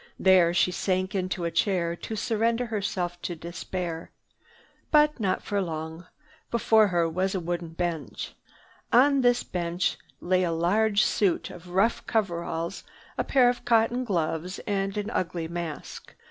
There she sank into a chair to surrender herself to despair. But not for long. Before her was a wooden bench. On this bench lay a large suit of rough coveralls, a pair of cotton gloves and an ugly mask.